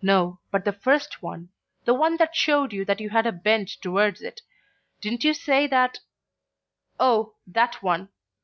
"No, but the first one; the one that showed you that you had a bent towards it. Didn't you say that " "Oh, that one.